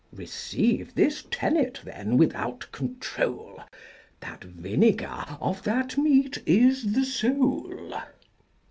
Receive this tenet, then, without control, That vinegar of that meat is the soul.